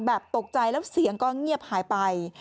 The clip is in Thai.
ตกใจแล้วเสียงก็เงียบหายไป